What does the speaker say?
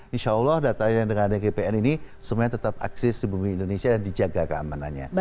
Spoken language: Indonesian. insya allah data yang dengan ada gpn ini semuanya tetap eksis di bumi indonesia dan dijaga keamanannya